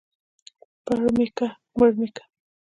پړ مى که مړ مى که.